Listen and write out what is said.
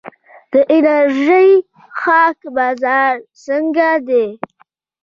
د انرژي څښاک بازار څنګه دی؟